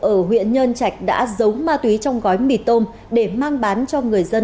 ở huyện nhơn trạch đã giấu ma túy trong gói mì tôm để mang bán cho người dân